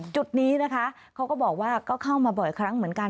จุดนี้นะคะเขาก็บอกว่าก็เข้ามาบ่อยครั้งเหมือนกัน